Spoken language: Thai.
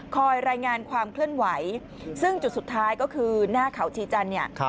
คอยรายงานความเคลื่อนไหวซึ่งจุดสุดท้ายก็คือหน้าเขาชีจันทร์เนี่ย